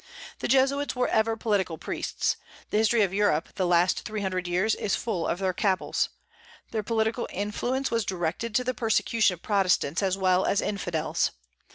The Jesuits were ever political priests; the history of Europe the last three hundred years is full of their cabals. Their political influence was directed to the persecution of Protestants as well as infidels.